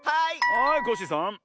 はいコッシーさん。